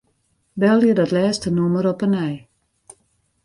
Belje dat lêste nûmer op 'e nij.